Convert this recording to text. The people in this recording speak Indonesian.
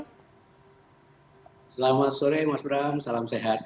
selamat sore mas bram salam sehat